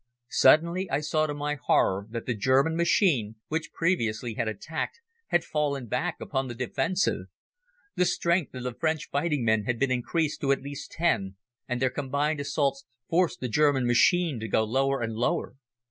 Suddenly, I saw to my horror that the German machine, which previously had attacked, had fallen back upon the defensive. The strength of the French fighting men had been increased to at least ten and their combined assaults forced the German machine to go lower and lower.